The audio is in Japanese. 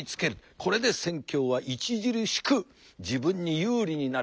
これで戦況は著しく自分に有利になる。